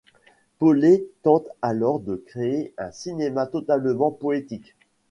Pollet tente alors de créer un cinéma totalement poétique.